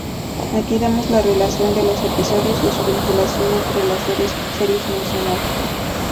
Aquí damos la relación de los episodios y su vinculación entre las series mencionadas.